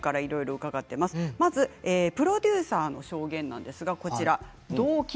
プロデューサーの証言です。